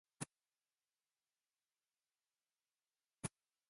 The submissions, if accepted, would be used in an anthology of sorts.